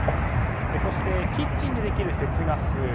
そしてキッチンでできる節ガス。